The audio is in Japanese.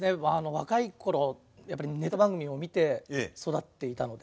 若いころやっぱりネタ番組を見て育っていたので。